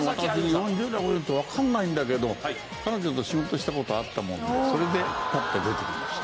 ４０代俺ちょっとわかんないんだけど彼女と仕事した事あったものでそれでパッて出てきました。